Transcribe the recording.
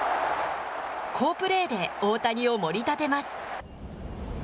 好プレーで大谷をもり立てます。